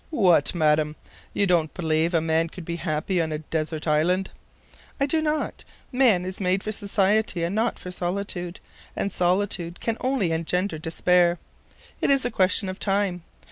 "What, madam! You don't believe a man could be happy on a desert island?" "I do not. Man is made for society and not for solitude, and solitude can only engender despair. It is a question of time.